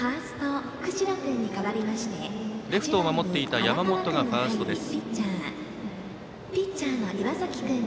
レフトを守っていた山本がファーストです。